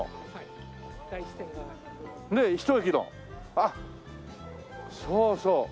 あっそうそう。